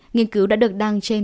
nhiên cứu đã được đăng trên